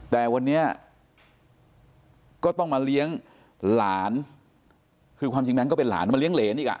แต่วันนี้ก็ต้องมาเลี้ยงหลานคือความจริงแบงค์ก็เป็นหลานมาเลี้ยเหรนอีกอ่ะ